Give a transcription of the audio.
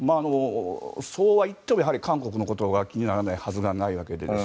そうはいっても韓国のことが気にならないはずがないわけで。